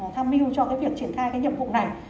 tham mưu cho cái việc triển khai cái nhiệm vụ này